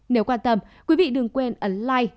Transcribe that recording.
nếu quan tâm quý vị đừng quên ấn like